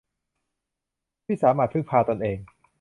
ที่สามารถพึ่งพาตนเอง